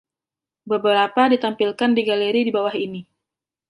Beberapa ditampilkan di galeri di bawah ini.